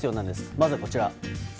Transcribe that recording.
まずはこちら。